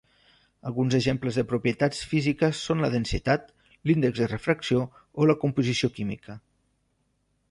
Alguns exemples de propietats físiques són la densitat, l'índex de refracció o la composició química.